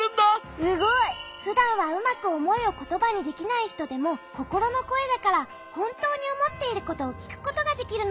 すごい！ふだんはうまくおもいをことばにできないひとでもココロのこえだからほんとうにおもっていることをきくことができるの。